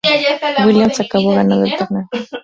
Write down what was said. Williams acabó ganando el torneo.